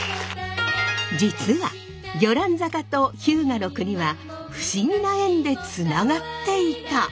実は魚籃坂と日向国は不思議な縁でつながっていた！